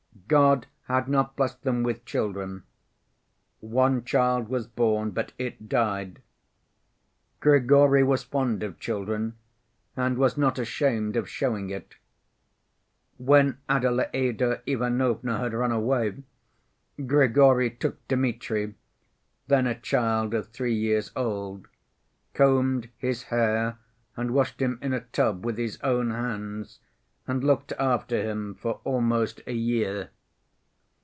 God had not blessed them with children. One child was born but it died. Grigory was fond of children, and was not ashamed of showing it. When Adelaïda Ivanovna had run away, Grigory took Dmitri, then a child of three years old, combed his hair and washed him in a tub with his own hands, and looked after him for almost a year.